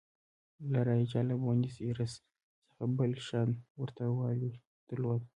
لا رایجا له بونیس ایرس څخه بل شان ورته والی درلود.